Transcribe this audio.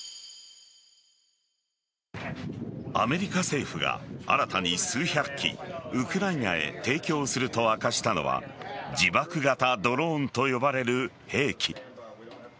アメリカ政府が新たに数百機ウクライナへ提供すると明かしたのは自爆型ドローンと呼ばれる兵器。